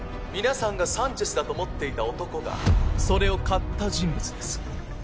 皆さんがサンチェスだと思っていた男がそれを買った人物です